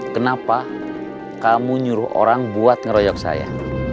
kenapa kamu nyuruh orang buat ngeroyok saya